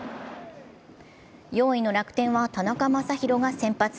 ４位の楽天は田中将大が先発。